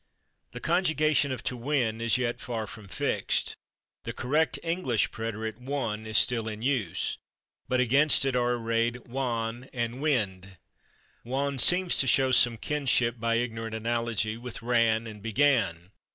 The conjugation of /to win/ is yet far from fixed. The correct English preterite, /won/, is still in use, but against it are arrayed /wan/ and /winned/. /Wan/ seems to show some kinship, by ignorant analogy, with /ran/ and /began